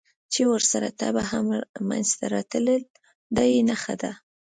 چې ورسره تبه هم منځته راتلل، دا یې نښه ده.